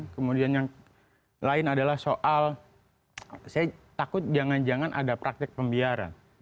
kemudian yang lain adalah soal saya takut jangan jangan ada praktek pembiaran